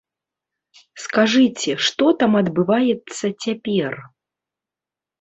Скажыце, што там адбываецца цяпер?